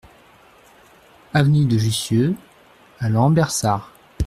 Avenue de Jussieu à Lambersart